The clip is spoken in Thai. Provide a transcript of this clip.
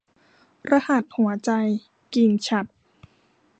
รหัสหัวใจ - กิ่งฉัตร